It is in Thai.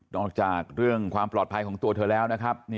อกจากเรื่องความปลอดภัยของตัวเธอแล้วนะครับ